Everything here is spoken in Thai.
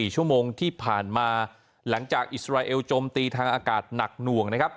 ๔ชั่วโมงที่ผ่านมาหลังจากอิสราเอลจมตีทางอากาศหนักหน่วงนะครับ